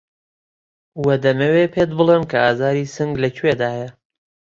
وە دەمەوێ پێت بڵێم کە ئازاری سنگ لە کوێدایه